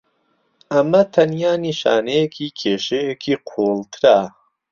ئەمە تەنیا نیشانەیەکی کێشەیەکی قوڵترە.